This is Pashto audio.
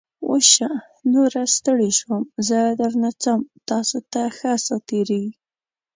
وشه. نوره ستړی شوم. زه درنه څم. تاسو ته ښه ساعتېری!